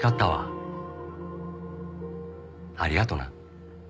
ありがとうな。